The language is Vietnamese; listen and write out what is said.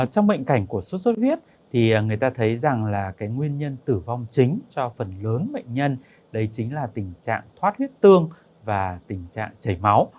trong bệnh cảnh của sốt xuất huyết thì người ta thấy rằng là cái nguyên nhân tử vong chính cho phần lớn bệnh nhân đây chính là tình trạng thoát huyết tương và tình trạng chảy máu